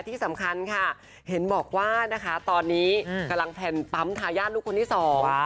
ที่สำคัญค่ะเห็นบอกว่านะคะตอนนี้กำลังแพลนปั๊มทายาทลูกคนที่สอง